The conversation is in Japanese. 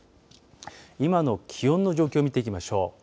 今の気温の状況を見ていきましょう。